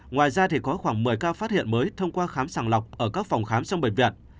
ngoài ra thì có khoảng một mươi ca phát hiện mới thông qua khám sàng lọc ở các phòng khám trong bệnh viện